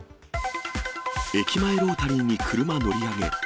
駅前ロータリーに車乗り上げ。